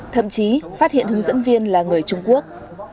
thậm chí phát hiện hướng dẫn viên là người trung quốc